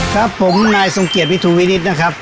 ครับผมนายทรงเกียจวิทูวินิตนะครับ